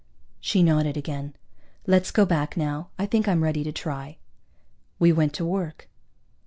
She nodded again. "Let's go back, now. I think I'm ready to try." We went to work.